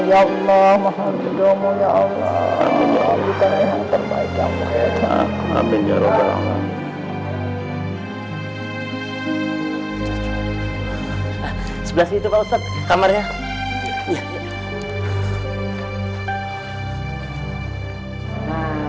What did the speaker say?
ya allah mahamudzomu ya allah ya allah yang terbaik ya allah ya tuhan ya allah ya tuhan ya allah ya